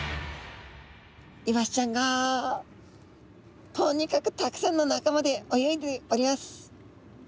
イワシちゃんがとにかくたくさんの仲間で泳いでおります。